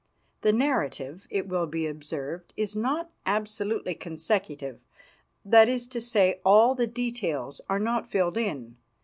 The narrative, it will be observed, is not absolutely consecutive; that is to say, all the details are not filled in.